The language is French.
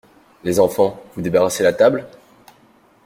Les enfants, vous débarrassez la table?